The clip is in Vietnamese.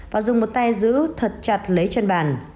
và dùng một tay giữ thật chặt lấy chân bàn